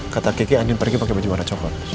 kata kiki angin pergi pakai baju warna coklat